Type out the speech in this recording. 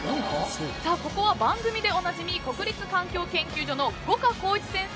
ここは番組でおなじみ国立環境研究所の五箇公一先生